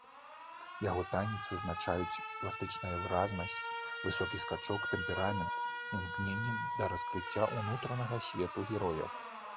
Яго танец вызначаюць пластычная выразнасць, высокі скачок, тэмперамент, імкненне да раскрыцця ўнутранага свету герояў.